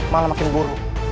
malah makin buruk